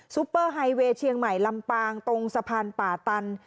ปเปอร์ไฮเวย์เชียงใหม่ลำปางตรงสะพานป่าตัน